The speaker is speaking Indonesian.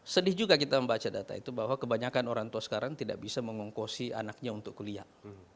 sedih juga kita membaca data itu bahwa kebanyakan orang tua sekarang tidak bisa mengongkosi anaknya untuk kuliah